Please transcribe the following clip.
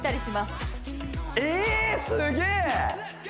すげえ！